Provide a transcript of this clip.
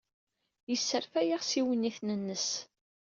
Yesserfay-aɣ s yiwenniten-nnes.